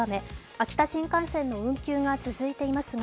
秋田新幹線の運休が続いていますが、